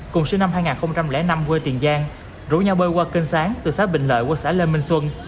cùng sinh năm hai nghìn năm quê tiền giang rủ nhau bơi qua kênh sáng từ xã bình lợi qua xã lê minh xuân